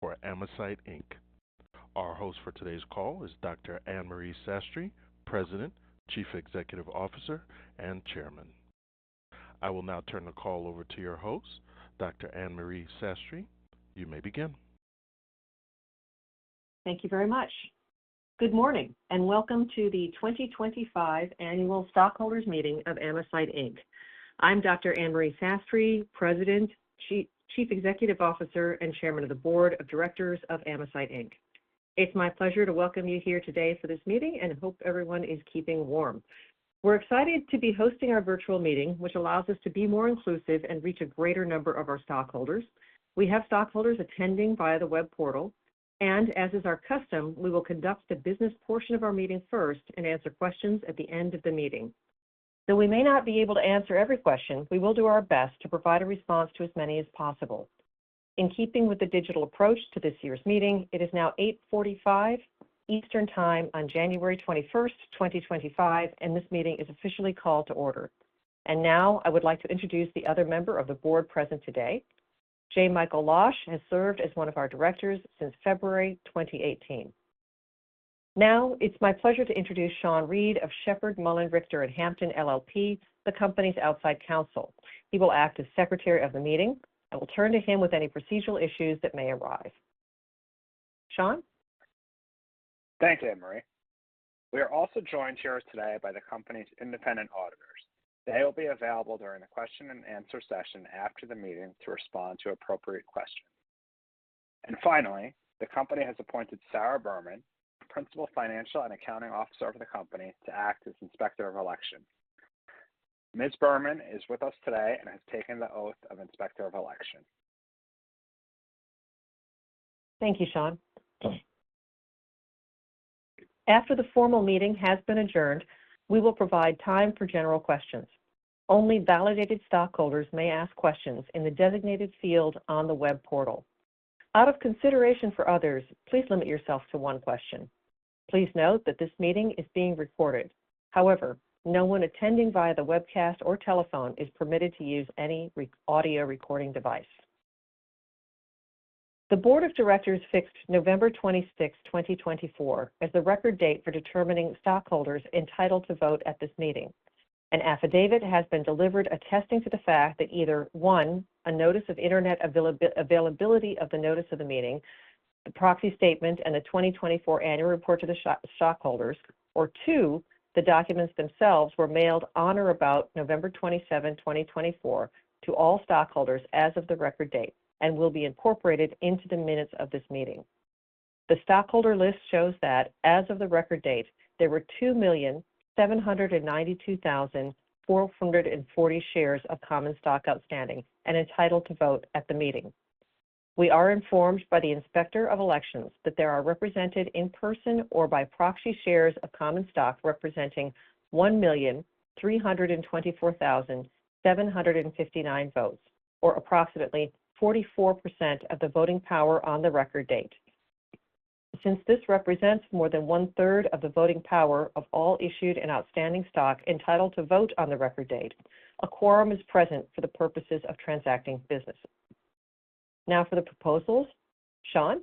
For Amesite Inc. Our host for today's call is Dr. Anne Marie Sastry, President, Chief Executive Officer, and Chairman. I will now turn the call over to your host, Dr. Anne Marie Sastry. You may begin. Thank you very much. Good morning, and welcome to the 2025 Annual Stockholders' Meeting of Amesite Inc. I'm Dr. Anne Marie Sastry, President, Chief Executive Officer, and Chairman of the Board of Directors of Amesite Inc. It's my pleasure to welcome you here today for this meeting, and I hope everyone is keeping warm. We're excited to be hosting our virtual meeting, which allows us to be more inclusive and reach a greater number of our stockholders. We have stockholders attending via the web portal, and as is our custom, we will conduct the business portion of our meeting first and answer questions at the end of the meeting. Though we may not be able to answer every question, we will do our best to provide a response to as many as possible. In keeping with the digital approach to this year's meeting, it is now 8:45 A.M. Eastern Time on January 21st, 2025, and this meeting is officially called to order. And now I would like to introduce the other member of the board present today. J. Michael Losh has served as one of our directors since February 2018. Now, it's my pleasure to introduce Sean Reid of Sheppard Mullin Richter & Hampton LLP, the company's outside counsel. He will act as Secretary of the meeting. I will turn to him with any procedural issues that may arise. Sean? Thank you, Anne Marie. We are also joined here today by the company's independent auditors. They will be available during the question-and-answer session after the meeting to respond to appropriate questions. And finally, the company has appointed Sarah Berman, Principal Financial and Accounting Officer for the company, to act as Inspector of Elections. Ms. Berman is with us today and has taken the oath of Inspector of Election. Thank you, Sean. After the formal meeting has been adjourned, we will provide time for general questions. Only validated stockholders may ask questions in the designated field on the web portal. Out of consideration for others, please limit yourself to one question. Please note that this meeting is being recorded. However, no one attending via the webcast or telephone is permitted to use any audio recording device. The Board of Directors fixed November 26, 2024, as the record date for determining stockholders entitled to vote at this meeting. An affidavit has been delivered attesting to the fact that either, one, a notice of internet availability of the notice of the meeting, the proxy statement, and the 2024 annual report to the stockholders, or two, the documents themselves were mailed on or about November 27, 2024, to all stockholders as of the record date and will be incorporated into the minutes of this meeting. The stockholder list shows that, as of the record date, there were 2,792,440 shares of common stock outstanding and entitled to vote at the meeting. We are informed by the Inspector of Elections that there are represented in person or by proxy shares of common stock representing 1,324,759 votes, or approximately 44% of the voting power on the record date. Since this represents more than one-third of the voting power of all issued and outstanding stock entitled to vote on the record date, a quorum is present for the purposes of transacting business. Now for the proposals. Sean?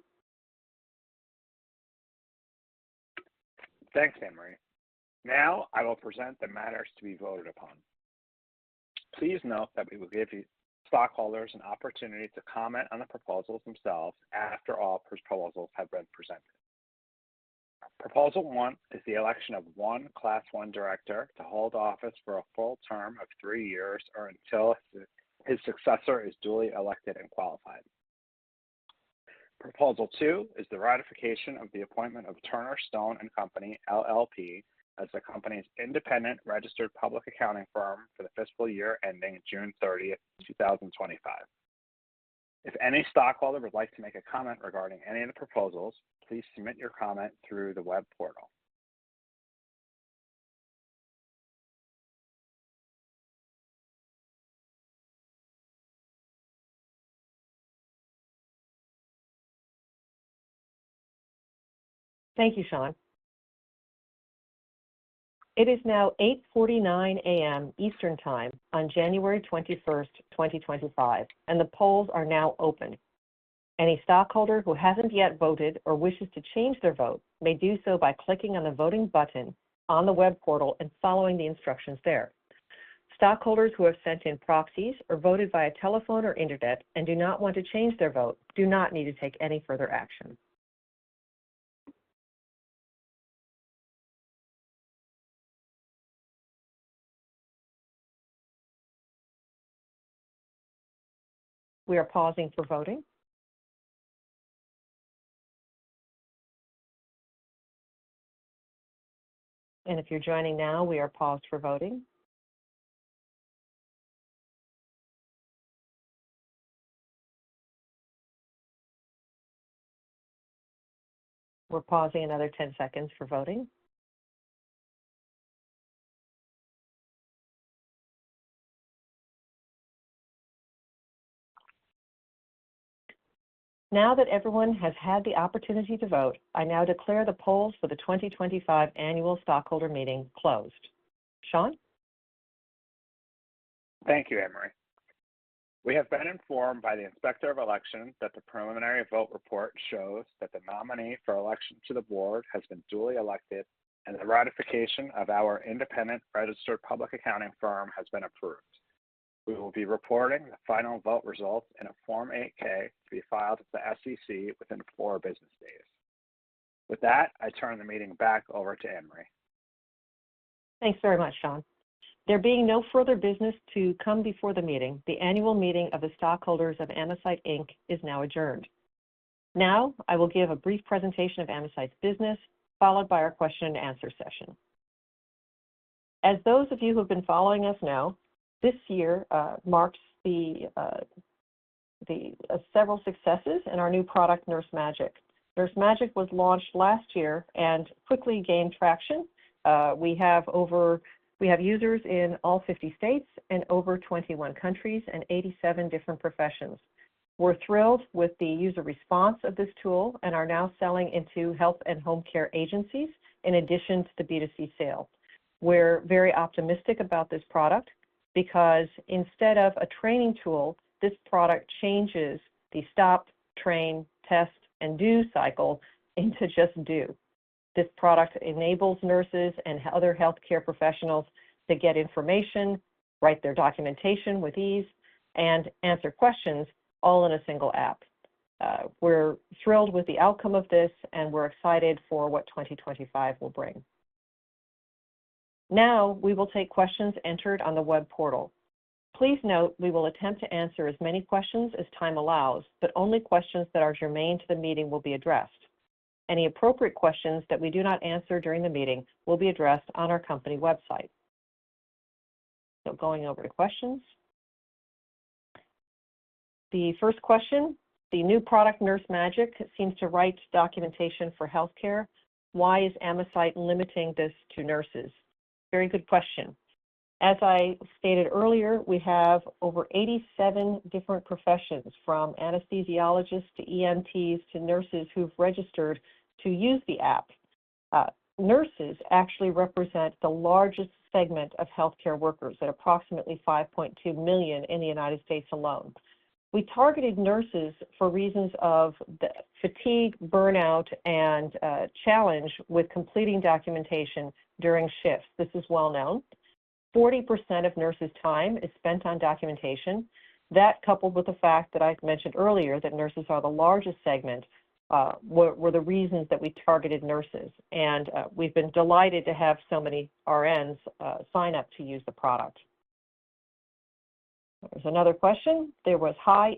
Thanks, Anne Marie. Now I will present the matters to be voted upon. Please note that we will give stockholders an opportunity to comment on the proposals themselves after all proposals have been presented. Proposal one is the election of one Class I Director to hold office for a full term of three years or until his successor is duly elected and qualified. Proposal two is the ratification of the appointment of Turner, Stone & Company, L.L.P. as the company's independent registered public accounting firm for the fiscal year ending June 30, 2025. If any stockholder would like to make a comment regarding any of the proposals, please submit your comment through the web portal. Thank you, Sean. It is now 8:49 A.M. Eastern Time on January 21st, 2025, and the polls are now open. Any stockholder who hasn't yet voted or wishes to change their vote may do so by clicking on the voting button on the web portal and following the instructions there. Stockholders who have sent in proxies or voted via telephone or internet and do not want to change their vote do not need to take any further action. We are pausing for voting, and if you're joining now, we are paused for voting. We're pausing another 10 seconds for voting. Now that everyone has had the opportunity to vote, I now declare the polls for the 2025 Annual Stockholder Meeting closed. Sean? Thank you, Anne Marie. We have been informed by the Inspector of Elections that the preliminary vote report shows that the nominee for election to the board has been duly elected and the ratification of our independent registered public accounting firm has been approved. We will be reporting the final vote results in a Form 8-K to be filed at the SEC within four business days. With that, I turn the meeting back over to Anne Marie. Thanks very much, Sean. There being no further business to come before the meeting, the annual meeting of the stockholders of Amesite Inc. is now adjourned. Now I will give a brief presentation of Amesite's business, followed by our question-and-answer session. As those of you who have been following us know, this year marks several successes in our new product, NurseMagic. NurseMagic was launched last year and quickly gained traction. We have users in all 50 states and over 21 countries and 87 different professions. We're thrilled with the user response of this tool and are now selling into health and home care agencies in addition to the B2C sale. We're very optimistic about this product because instead of a training tool, this product changes the stop, train, test, and do cycle into just do. This product enables nurses and other healthcare professionals to get information, write their documentation with ease, and answer questions all in a single app. We're thrilled with the outcome of this, and we're excited for what 2025 will bring. Now we will take questions entered on the web portal. Please note we will attempt to answer as many questions as time allows, but only questions that are germane to the meeting will be addressed. Any appropriate questions that we do not answer during the meeting will be addressed on our company website. So going over to questions. The first question, the new product NurseMagic seems to write documentation for healthcare. Why is Amesite limiting this to nurses? Very good question. As I stated earlier, we have over 87 different professions from anesthesiologists to EMTs to nurses who've registered to use the app. Nurses actually represent the largest segment of healthcare workers at approximately 5.2 million in the United States alone. We targeted nurses for reasons of fatigue, burnout, and challenge with completing documentation during shifts. This is well known. 40% of nurses' time is spent on documentation. That, coupled with the fact that I've mentioned earlier that nurses are the largest segment, were the reasons that we targeted nurses, and we've been delighted to have so many RNs sign up to use the product. There's another question. There was high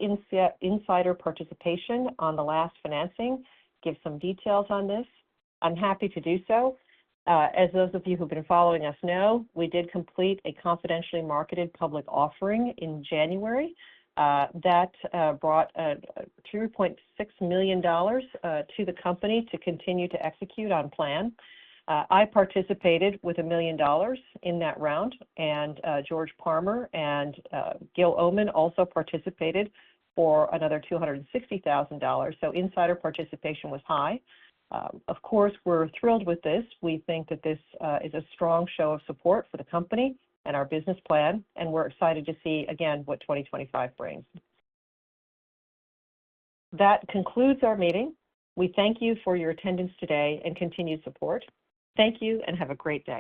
insider participation on the last financing. Give some details on this. I'm happy to do so. As those of you who've been following us know, we did complete a confidentially marketed public offering in January that brought $3.6 million to the company to continue to execute on plan. I participated with $1 million in that round, and George Parmer and Gil Omenn also participated for another $260,000. So insider participation was high. Of course, we're thrilled with this. We think that this is a strong show of support for the company and our business plan, and we're excited to see again what 2025 brings. That concludes our meeting. We thank you for your attendance today and continued support. Thank you and have a great day.